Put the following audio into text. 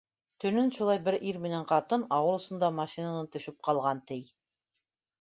Төнөн шулай бер ир менән ҡатын ауыл осонда машинанан төшөп ҡалған, ти.